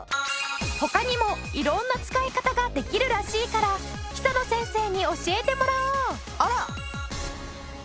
他にも色んな使い方ができるらしいから久野先生に教えてもらおう！